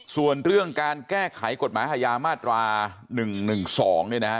ส่วนเรื่องการแก้ไขกษัตริย์หยามาตรา๑๑๒เนี่ยนะครับ